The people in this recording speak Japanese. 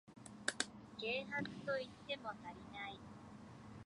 軽薄と言っても足りない